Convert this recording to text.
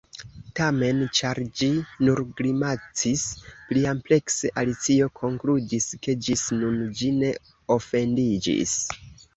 Tamen, ĉar ĝi nur grimacis pliamplekse, Alicio konkludis ke ĝis nun ĝi ne ofendiĝis.